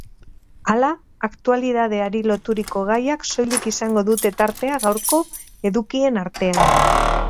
Hala, aktualidadeari loturiko gaiak soilik izango dute tartea gaurko edukien artean.